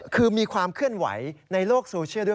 คือมีความเคลื่อนไหวในโลกโซเชียลด้วย